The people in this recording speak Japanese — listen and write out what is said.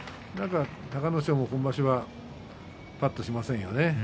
隆の勝も今場所はぱっとしませんよね。